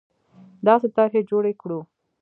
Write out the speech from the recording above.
داسې طرحې جوړې کړو